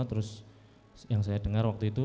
terus yang saya dengar waktu itu